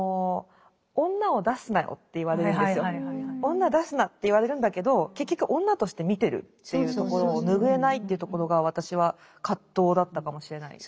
女出すなって言われるんだけど結局女として見てるっていうところを拭えないっていうところが私は葛藤だったかもしれないです。